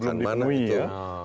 banyak kan mana mas didik